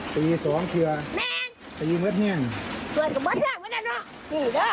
สี่สองเชื้อแม่งสี่เม็ดแห้งสวดกับเม็ดแห้งไว้นั่นเนอะสี่เท่า